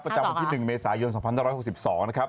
ประจำวันที่๑เมษายน๒๕๖๒นะครับ